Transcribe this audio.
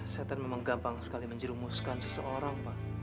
setan memang gampang sekali menjerumuskan seseorang pak